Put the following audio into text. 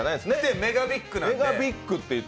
ＭＥＧＡＢＩＧなんで。